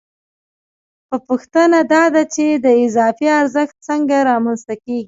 خو پوښتنه دا ده چې دا اضافي ارزښت څنګه رامنځته کېږي